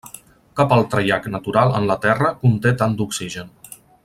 Cap altre llac natural en la Terra conté tant d'oxigen.